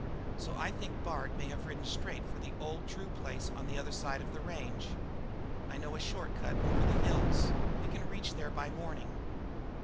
So I think that Bard may have ridden straight for the old Drew place on the other side of the range. I know a short cut over the hills; we can reach there by morning.